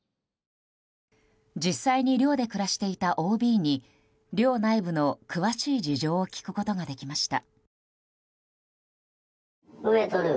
実際に寮で暮らしていたＯＢに寮内部の詳しい事情を聴くことができました。